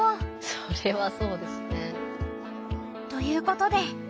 それはそうですね。ということで。